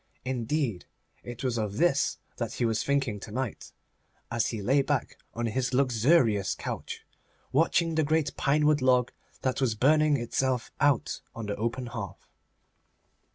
Indeed, it was of this that he was thinking to night, as he lay back on his luxurious couch, watching the great pinewood log that was burning itself out on the open hearth.